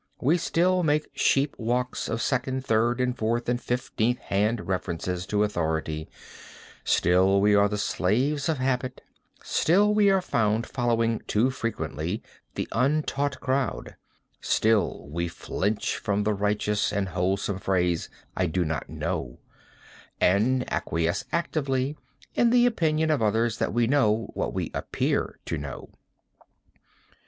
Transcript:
We still make sheep walks of second, third, and fourth and fiftieth hand references to authority; still we are the slaves of habit; still we are found following too frequently the untaught crowd; still we flinch from the righteous and wholesome phrase, 'I do not know'; and acquiesce actively in the opinion of others that we know what we appear to know.